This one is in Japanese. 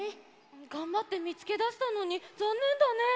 がんばってみつけだしたのにざんねんだね。